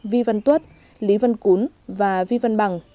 vi văn tuất lý văn cún và vi văn bằng